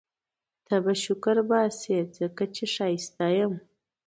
ته به شکرباسې ځکه چي ښایسته یم